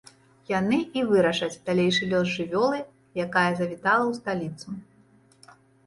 Яны і вырашаць далейшы лёс жывёлы, якая завітала ў сталіцу.